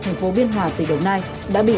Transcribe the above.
thành phố biên hòa tỉnh đồng nai